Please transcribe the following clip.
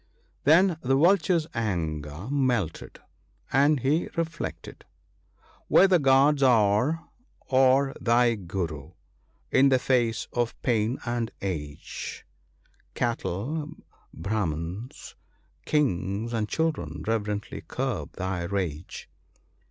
Then the Vulture's anger melted, and he reflected, —" Where the Gods are, or thy Guru ( 95 )— in the face of Pain and Age, Cattle, Brahmans, Kings, and Children — reverently curb thy rage.